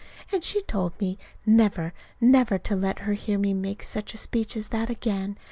And she told me never, never to let her hear me make such a speech as that again.